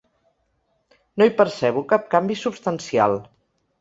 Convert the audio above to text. No hi percebo cap canvi substancial.